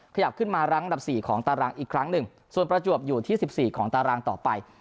ขยับขึ้นมารั้งอันดับ๔ของตารางอีกครั้งหนึ่งส่วนประจวบอยู่ที่๑๔ของตารางต่อไป